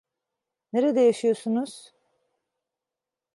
Nerede yaşıyorsunuz?